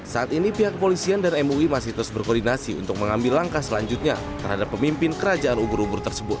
saat ini pihak kepolisian dan mui masih terus berkoordinasi untuk mengambil langkah selanjutnya terhadap pemimpin kerajaan ubur ubur tersebut